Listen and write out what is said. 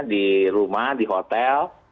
di rumah di hotel